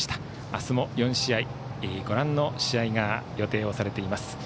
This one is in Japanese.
明日も４試合、ご覧の試合が予定されています。